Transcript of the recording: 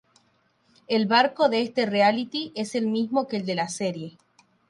El barco de este reality es el mismo que el de la serie.